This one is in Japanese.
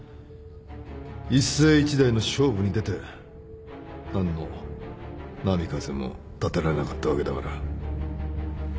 一世一代の勝負に出て何の波風も立てられなかったわけだから。